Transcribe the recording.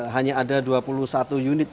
hanya ada dua puluh satu unit